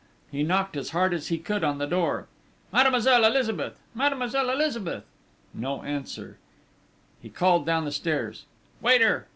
He knocked as hard as he could on the door. "Mademoiselle Elizabeth! Mademoiselle!" No answer. He called down the stairs: "Waiter!...